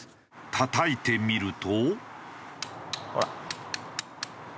たたいてみると。